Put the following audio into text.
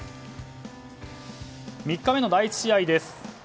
３日目の第１試合です。